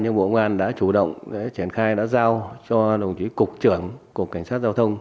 nhưng bộ công an đã chủ động triển khai đã giao cho đồng chí cục trưởng cục cảnh sát giao thông